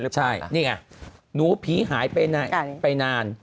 ใช่นี่ไงหนูผีหายไปนาน